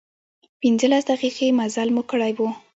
پنځلس دقيقې مزل مو کړی و.